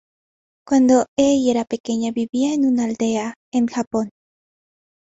Cuando Ai era pequeña vivía en una aldea en Japón.